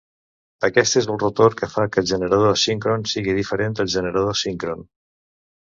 Aquest és el rotor que fa que el generador asíncron sigui diferent del generador síncron.